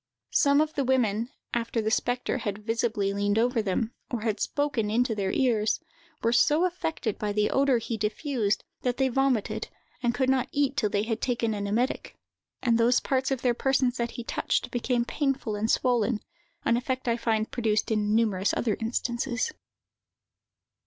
Some of the women, after the spectre had visibly leaned over them, or had spoken into their ears, were so affected by the odor he diffused that they vomited, and could not eat till they had taken an emetic; and those parts of their persons that he touched became painful and swollen, an effect I find produced in numerous other instances.